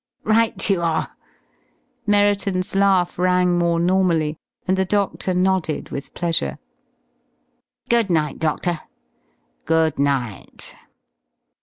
"Right you are!" Merriton's laugh rang more normally and the doctor nodded with pleasure. "Good night, Doctor." "Good night."